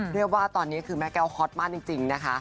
เรียกว่าตอนนี้คือแม่แก้วฮอตมากจริงนะคะ